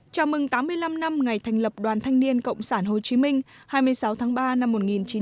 chào mừng tám mươi năm năm ngày thành lập đoàn thanh niên cộng sản hồ chí minh hai mươi sáu tháng ba năm một nghìn chín trăm bảy mươi năm